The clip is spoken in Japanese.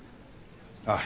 ああ。